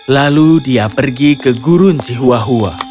lalu dia pergi ke gurun tihuahua